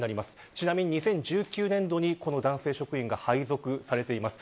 ちなみに２０１９年度にこの男性職員が配属されています。